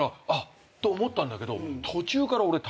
と思ったんだけど。